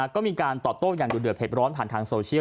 ก็มีการตอบโต้อย่างดูเดือดเด็ดร้อนผ่านทางโซเชียล